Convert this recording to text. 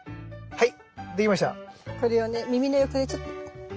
はい。